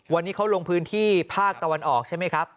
วันนี้เขาลงพื้นที่ภาคตะวันออกใช่ไหมครับ